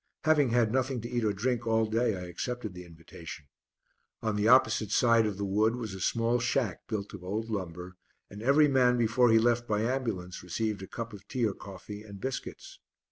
Having had nothing to eat or drink all day I accepted the invitation. On the opposite side of the wood was a small shack built of old lumber, and every man before he left by ambulance received a cup of tea or coffee and biscuits.